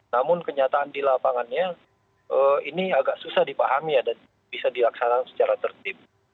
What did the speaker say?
namun kenyataan di lapangannya ini agak susah dipahami dan bisa dilaksanakan secara tertib